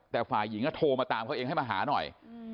แต่ฝ่ายหญิงก็โทรมาตามเขาเองให้มาหาหน่อย